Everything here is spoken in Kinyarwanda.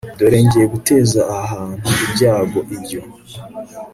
dore ngiye guteza aha hantu ibyago ibyo